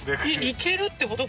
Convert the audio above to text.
行けるってこと？